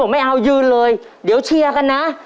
ไม่เอายืนเลยเดี๋ยวเชียร์กันนะ